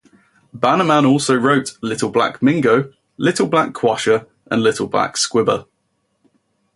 Bannerman also wrote "Little Black Mingo", "Little Black Quasha", and "Little Black Squibba".